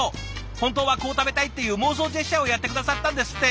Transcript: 本当はこう食べたいっていう妄想ジェスチャーをやって下さったんですって。